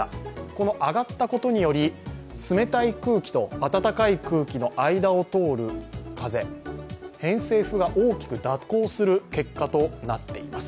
この上がったことにより、冷たい空気と温かい空気の間を通る風、偏西風が大きく蛇行する結果となっています。